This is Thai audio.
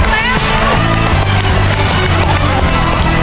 ผ่ายในบ้านของเราล่างเลย